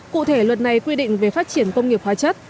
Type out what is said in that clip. cụ thể luật này quy định về phát triển công nghiệp hóa chất